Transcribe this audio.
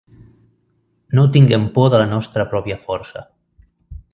No tinguem por de la nostra pròpia força.